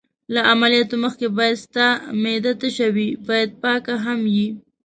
له عملیاتو مخکې باید ستا معده تشه وي، باید پاک هم یې.